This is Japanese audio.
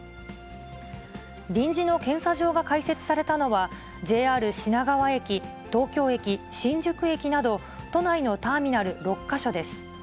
臨時の検査場が開設されたのは、ＪＲ品川駅、東京駅、新宿駅など、都内のターミナル６か所です。